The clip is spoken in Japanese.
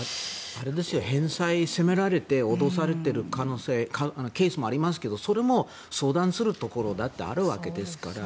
返済を迫られて脅されているケースもありますがそれも相談するところだってあるわけですから。